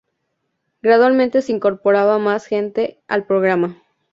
Gradualmente se incorporaba más gente al programa.